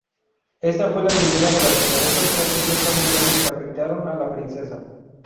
Esta fue la primera de las numerosas tragedias familiares que afectaron a la princesa.